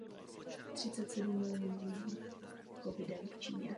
Prověřte svůj mandát.